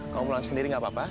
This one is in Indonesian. kamu pulang sendiri gak apa apa